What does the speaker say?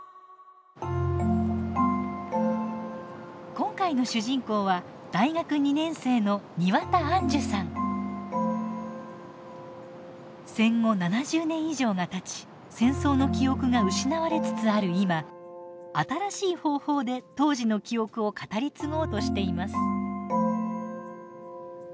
今回の主人公は戦後７０年以上がたち戦争の記憶が失われつつある今新しい方法で当時の記憶を語り継ごうとしています。